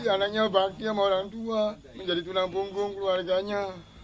si anaknya bakti sama orang tua menjadi tunang punggung keluarganya